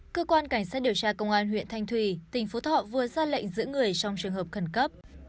cơ quan cảnh sát điều tra công an huyện thanh thùy tỉnh phú thọ vừa ra lệnh giữ người trong trường hợp khẩn cấp